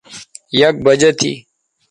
یک بجہ تھی